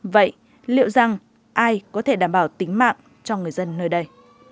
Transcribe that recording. vậy liệu rằng ai có thể đảm bảo tính mạng cho người dân nơi đây